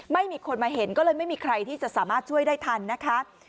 ไม่มีคนมาเห็นก็เลยไม่มีใครที่จะสามารถช่วยได้ทันนะคะ